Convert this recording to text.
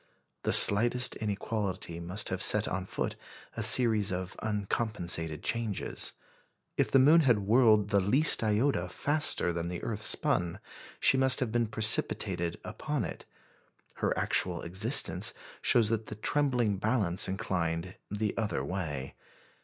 The slightest inequality must have set on foot a series of uncompensated changes. If the moon had whirled the least iota faster than the earth spun she must have been precipitated upon it. Her actual existence shows that the trembling balance inclined the other way.